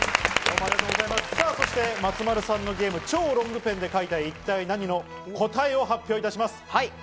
そして松丸さん考案のゲーム企画「超ロングペンで描いた絵一体ナニ！？」の答えを発表します。